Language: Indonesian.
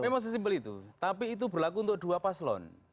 memang sesimpel itu tapi itu berlaku untuk dua paslon